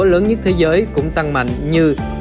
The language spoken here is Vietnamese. lớn nhất thế giới cũng tăng mạnh như